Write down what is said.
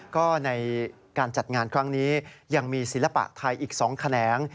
ก็ในการจัดงานครั้งนี้ยังมีศิลปะไทยอีก๒แขนง